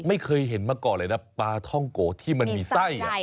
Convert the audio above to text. ไม่เคยเห็นมาก่อนเลยนะปลาท่องโกะที่มันมีไส้